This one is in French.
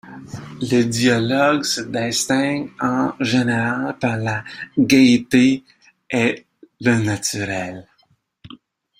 Le dialogue se distingue en général par la gaieté et le naturel.